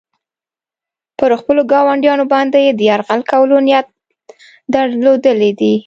پر خپلو ګاونډیانو باندې یې د یرغل کولو نیت درلودلی دی.